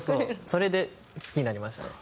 それで好きになりましたね。